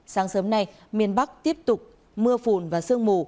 sáng sớm nay miền bắc tiếp tục mưa phùn và sương mù